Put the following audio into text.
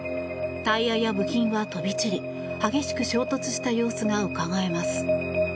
タイヤや部品は飛び散り激しく衝突した様子がうかがえます。